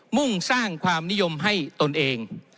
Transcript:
มุ่งสร้างความนิยมให้ตนเอง